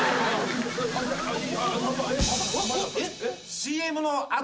ＣＭの後。